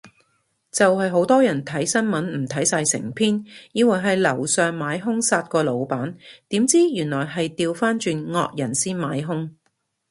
就係好多人睇新聞唔睇晒成篇，以為係樓上買兇殺個老闆，點知原來係掉返轉惡人先買兇